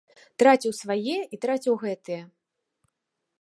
Траціў свае і траціў гэтыя.